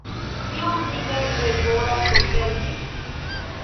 Kion vi nepre volas konservi?